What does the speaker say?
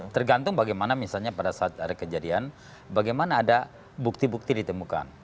tergantung bagaimana misalnya pada saat ada kejadian bagaimana ada bukti bukti ditemukan